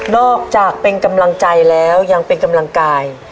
อกจากเป็นกำลังใจแล้วยังเป็นกำลังกาย